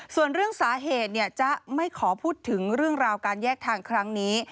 ส่วนเรื่องสาเหตุจ๊ะไม่ขอพูดถึงเรื่องราวการแยกทางครั้งนี้